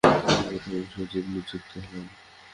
তিনি প্রথম সচিব নিযুক্ত হন।